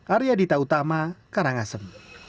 arya dita utama karangasem